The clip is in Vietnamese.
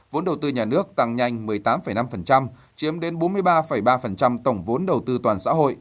vốn đầu tư nhà nước tăng nhanh một mươi tám năm chiếm đến bốn mươi ba ba tổng vốn đồng